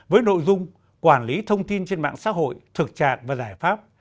với nội dung quản lý thông tin trên mạng xã hội thực trạng và giải pháp